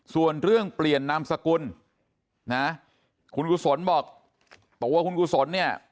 ส่วนเรื่องเปลี่ยนนามสกุลนะคุณกุศลบอกตัวคุณกุศลเนี่ย